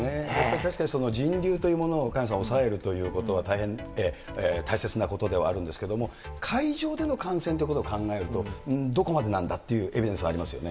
確かに人流というものを萱野さん、抑えるということは、大変大切なことではあるんですけれども、会場での感染ということを考えると、どこまでなんだっていうエビデンスはありますよね。